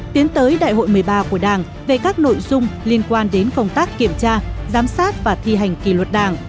tiến tới đại hội một mươi ba của đảng về các nội dung liên quan đến công tác kiểm tra giám sát và thi hành kỳ luật đảng